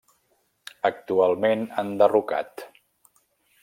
Actualment enderrocat.